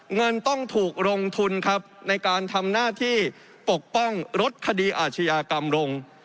เงินต้องถูกลงทุนครับในการทำหน้าที่ปกป้องลดคดีอาชญากรรมลง